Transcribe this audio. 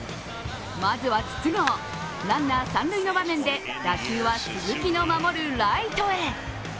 まずは筒香、ランナー三塁の場面で打球は鈴木の守るライトへ。